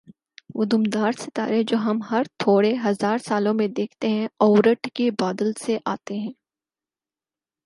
وہ دُمدار ستارے جو ہم ہر تھوڑے ہزار سالوں میں دیکھتے ہیں "اوٗرٹ کے بادل" سے آتے ہیں۔